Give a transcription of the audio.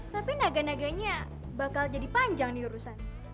tapi naga naganya bakal jadi panjang diurusan